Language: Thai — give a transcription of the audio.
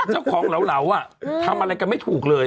เจ้าของเหลาทำอะไรกันไม่ถูกเลย